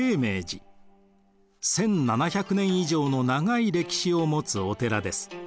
１，７００年以上の長い歴史を持つお寺です。